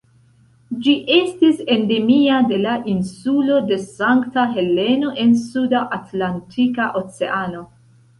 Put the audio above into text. Ĝi estis endemia de la insulo de Sankta Heleno en Suda Atlantika Oceano.